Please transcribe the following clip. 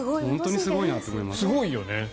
すごいよね。